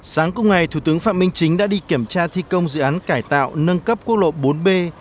sáng cùng ngày thủ tướng phạm minh chính đã đi kiểm tra thi công dự án cải tạo nâng cấp quốc lộ bốn b